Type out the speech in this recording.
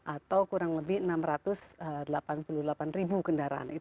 atau kurang lebih enam ratus delapan puluh delapan ribu kendaraan